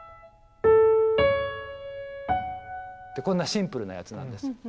こんなシンプルなやつなんです。